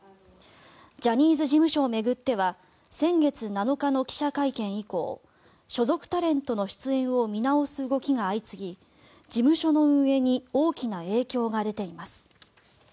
ジャニーズ事務所を巡っては先月７日の記者会見以降所属タレントの出演を見直す動きが相次ぎ事務所の運営に大きな影響が出ています。